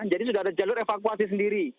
jadi sudah ada jalur evakuasi